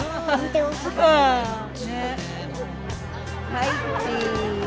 はいチーズ！